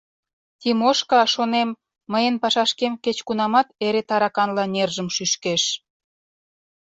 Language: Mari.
«Тимошка, — шонем, — мыйын пашашкем кеч-кунамат эре тараканла нержым шӱшкеш.